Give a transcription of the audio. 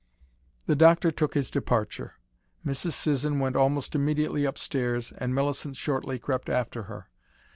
The doctor took his departure. Mrs. Sisson went almost immediately upstairs, and Millicent shortly crept after her.